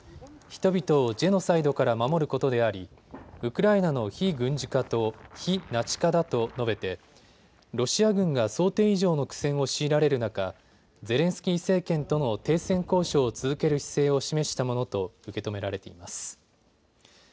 人々をジェノサイドから守ることでありウクライナの非軍事化と非ナチ化だと述べてロシア軍が想定以上の苦戦を強いられる中、ゼレンスキー政権との停戦交渉を続ける姿勢を示したものと受け止められています。